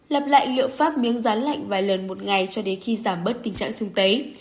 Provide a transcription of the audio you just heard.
lập lại lựa pháp miếng rán lạnh vài lần một ngày cho đến khi giảm bớt tình trạng sương tấy